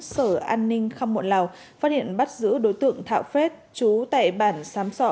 sở an ninh kham muộn lào phát hiện bắt giữ đối tượng thạo phết chú tẻ bản sám sọ